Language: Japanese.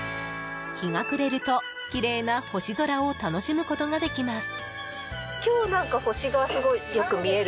日が暮れると、きれいな星空を楽しむことができます。